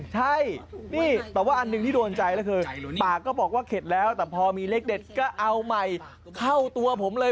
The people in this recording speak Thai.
ใช่นี่แต่ว่าอันหนึ่งที่โดนใจแล้วคือปากก็บอกว่าเข็ดแล้วแต่พอมีเลขเด็ดก็เอาใหม่เข้าตัวผมเลย